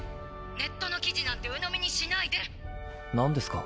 ネットの記事なんてうのみにしない何ですか？